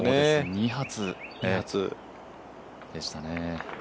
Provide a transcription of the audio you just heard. ２発でしたね。